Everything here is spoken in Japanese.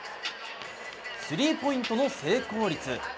スリーポイントの成功率。